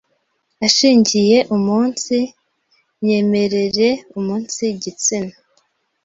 ashingiye umunsi myemerere, umunsi gitsina,